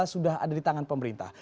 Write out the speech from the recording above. sudah ada di tangan pemerintah